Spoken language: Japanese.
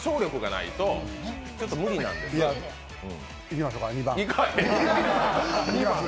いきましょうか、２番。